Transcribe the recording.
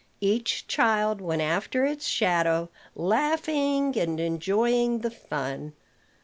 Each child went after its shadow, laughing, and enjoying the fun.